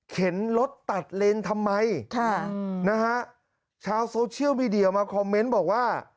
รถตัดเลนทำไมค่ะนะฮะชาวโซเชียลมีเดียมาคอมเมนต์บอกว่า